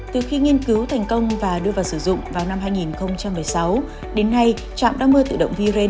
từ khi nghiên cứu thành công và đưa vào sử dụng vào năm hai nghìn một mươi sáu đến nay trạm đo mưa tự động viren